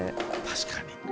確かに。